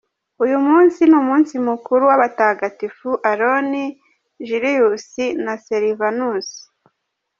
Uyu munsi ni umunsi mukuru w’abatagatifu Aaron, Julius na Servanus.